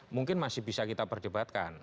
mungkin masih bisa kita perdebatkan